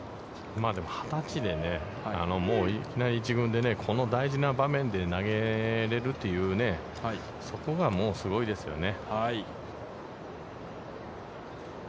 でも２０歳でねもういきなり１軍で、この大事な場面で投げれるという、そこがもう、すごいですよね。